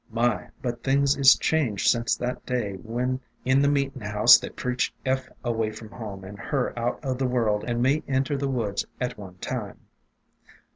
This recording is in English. "My, but things is changed sence that day when in the meetin' house they preached Eph away from home and her out o' the world and me inter the woods at one time!